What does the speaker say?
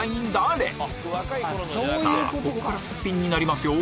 さぁここからスッピンになりますよ